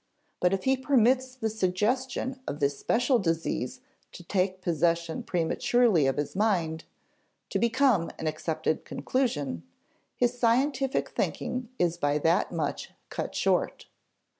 But if he permits the suggestion of this special disease to take possession prematurely of his mind, to become an accepted conclusion, his scientific thinking is by that much cut short.